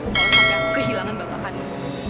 kalau saya kehilangan bapakannya